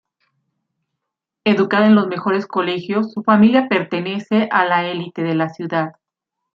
Educada en los mejores colegios, su familia pertenece a la elite de la ciudad.